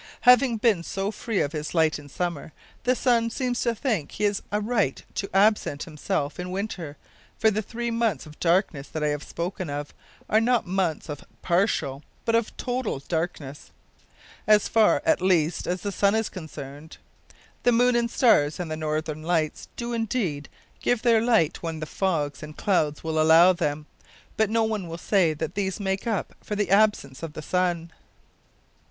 Having been so free of his light in summer, the sun seems to think he has a right to absent himself in winter, for the three months of darkness that I have spoken of are not months of partial but of total darkness as far, at least, as the sun is concerned. The moon and stars and the "Northern Lights" do, indeed, give their light when the fogs and clouds will allow them; but no one will say that these make up for the absence of the sun.